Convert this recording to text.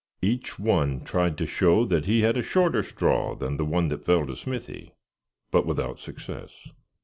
Each one tried to show that he had a shorter straw than the one that fell to Smithy, but without success.